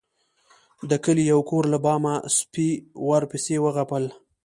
د کلي د يو کور له بامه سپي ورپسې وغپل.